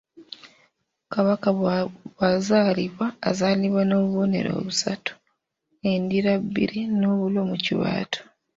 Kabaka bw’azaalibwa, azaalibwa n'obubonero busatu; endira bbiri, n’obulo mu kibatu.